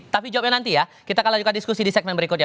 tapi jawabnya nanti ya kita akan lanjutkan diskusi di segmen berikutnya